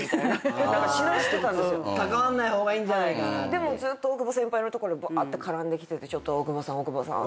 でもずっと大久保先輩のとこにバーって絡んできてて「大久保さん大久保さん」